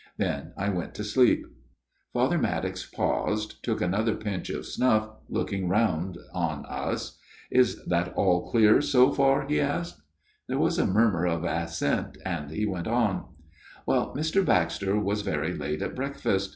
Then I went to sleep." Father Maddox paused, took another pinch of snuff, looking round on us. " Is that all dear, so far ?" he asked. There was a murmur of assent, and he went on :" Well, Mr. Baxter was very late at breakfast.